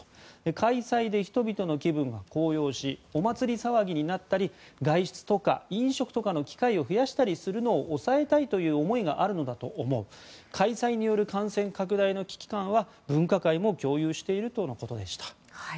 開催で人々の気分が高揚しお祭り騒ぎになったり外出とか飲食の機会を増やしたりするのを抑えたいという思いがあるのだと思う開催による感染拡大の危機感は分科会も共有しているとのことでした。